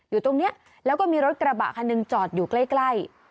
อยู่ตรงนี้แล้วก็มีรถกระบะคันหนึ่งจอดอยู่ใกล้